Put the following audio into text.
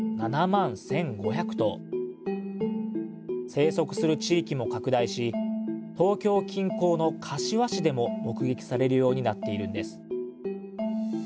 生息する地域も拡大し東京近郊の柏市でも目撃されるようになっているんです。